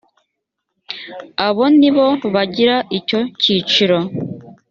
abo nibo bagira icyo cyiciro